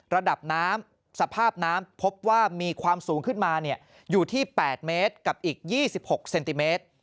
ระดับน้ำสภาพน้ำพบว่ามีความสูงขึ้นมาอยู่ที่๘เมตรกับอีก๒๖เซนติเมตร